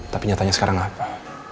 tapi nyatanya sekarang apa